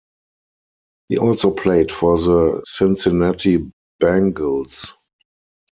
He also played for the Cincinnati Bengals.